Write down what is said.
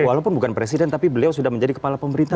walaupun bukan presiden tapi beliau sudah menjadi kepala pemerintah